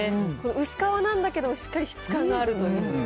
薄皮なんだけど、しっかり質感があるという。